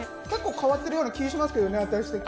変わってるような気がしますけどね。